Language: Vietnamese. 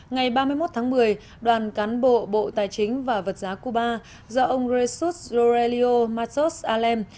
ngày ba mươi một tháng một mươi đoàn cán bộ bộ tài chính và vật giá cuba do ông jesus aurelio matos alem